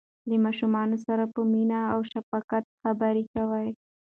له ماشومانو سره په مینه او شفقت خبرې کوئ.